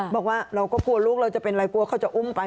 บอกว่าเราก็กลัวลูกเราจะเป็นอะไรกลัวเขาจะอุ้มไป